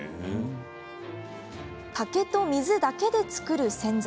竹と水だけで作る洗剤。